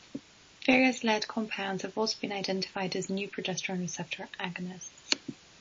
Various lead compounds have also been identified as new progesterone receptor agonists.